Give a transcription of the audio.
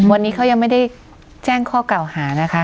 วันนี้เขายังไม่ได้แจ้งข้อเก่าหานะคะ